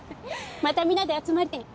またみんなで集まりたいね。